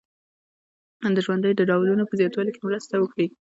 د ژوند د ډولونو په زیاتوالي کې مرسته وکړي.